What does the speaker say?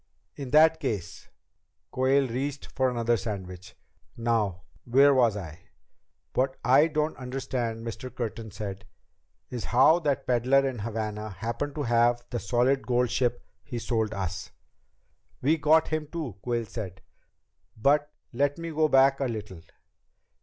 "In that case " Quayle reached for another sandwich. "Now where was I?" "What I don't understand," Mr. Curtin said, "is how that peddler in Havana happened to have the solid gold ship he sold us." "We got him, too," Quayle said. "But let me go back a little.